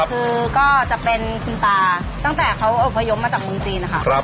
คือก็จะเป็นคุณตาตั้งแต่เขาอบพยพมาจากเมืองจีนนะคะ